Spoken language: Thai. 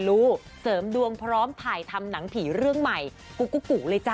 เตรลูกสาวสาวไฟเด่อนมาเทียมดวงพร้อมถ่ายทำหนังผีเรื่องใหม่กูกู้กูเลยจ้ะ